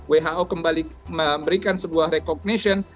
who kembali memberikan sebuah recognition